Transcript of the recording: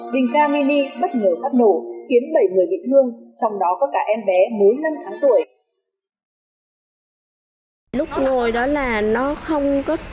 bình ga mini bất ngờ phát nổ khiến bảy người bị thương